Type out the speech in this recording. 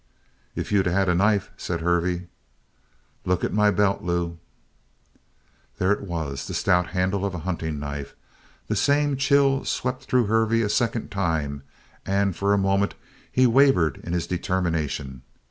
"If you'd had a knife," said Hervey. "Look at my belt, Lew." There it was, the stout handle of a hunting knife. The same chill swept through Hervey a second time and, for a moment, he wavered in his determination.